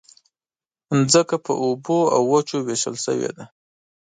مځکه پر اوبو او وچو وېشل شوې ده.